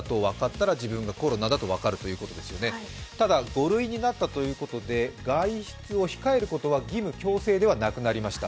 ５類になったということで外出を控えることは義務・強制ではなくなりました。